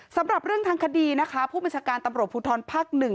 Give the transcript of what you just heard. สำหรับเรื่องทางคดีนะคะผู้บัญชาการตำรวจภูทรภาค๑